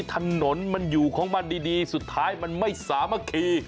ถนนมันอยู่ของมันดีสุดท้ายมันไม่สามารถคี